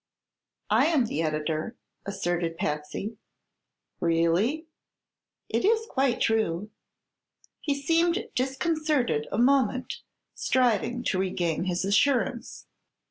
"I am the editor," asserted Patsy. "Really?" "It is quite true." He seemed disconcerted a moment, striving to regain his assurance.